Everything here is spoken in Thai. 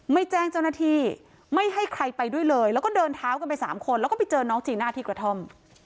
ไม่แจ้งเจ้าหน้าที่ไม่ให้ใครไปด้วยเลยแล้วก็เดินเท้ากันไปสามคนแล้วก็ไปเจอน้องจีน่าที่กระท่อม